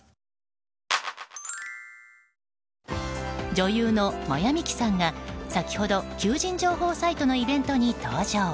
女優の真矢ミキさんが先ほど求人情報サイトのイベントに登場。